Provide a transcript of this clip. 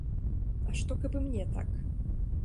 А што, каб і мне так?